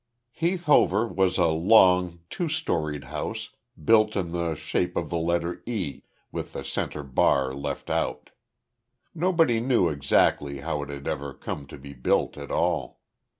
Heath Hover was a long, two storeyed house built in the shape of the letter E with the centre bar left out. Nobody knew exactly how it had ever come to be built at all.